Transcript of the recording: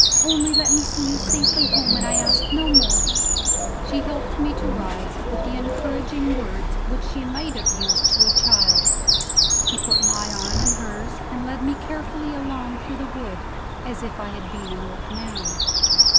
Only let me see you safely home, and I ask no more." She helped me to rise, with the encouraging words which she might have used to a child. She put my arm in hers, and led me carefully along through the wood, as if I had been an old man.